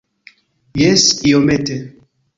Jes, iomete.